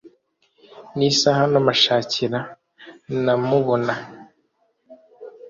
nisaha namushakira namubona